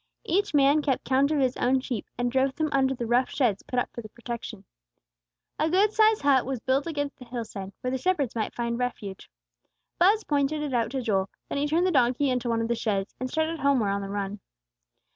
Each man kept count of his own sheep, and drove them under the rough sheds put up for their protection. A good sized hut was built against the hillside, where the shepherds might find refuge. Buz pointed it out to Joel; then he turned the donkey into one of the sheds, and started homeward on the run.